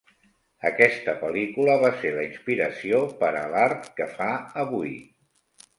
Aquesta pel·lícula va ser la inspiració per a l'art que fa avui.